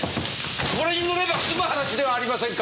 これに乗れば済む話ではありませんか！